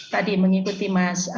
tadi mengikuti mas